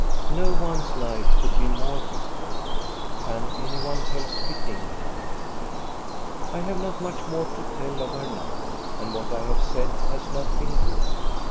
No one's life could be more bitter. Can any one help pitying her? I have not much more to tell of her now, and what I have said has not been good.